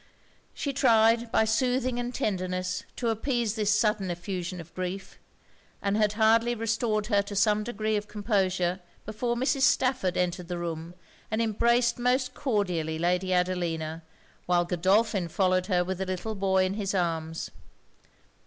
She tried, by soothing and tenderness, to appease this sudden effusion of grief; and had hardly restored her to some degree of composure, before Mrs. Stafford entered the room and embraced most cordially Lady Adelina, while Godolphin followed her with the little boy in his arms.